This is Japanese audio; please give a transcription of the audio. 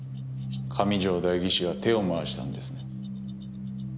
上条代議士が手を回したんですね。